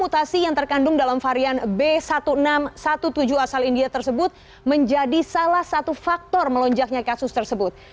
hal ini mengandung dalam varian b satu enam satu tujuh asal india tersebut menjadi salah satu faktor melonjaknya kasus tersebut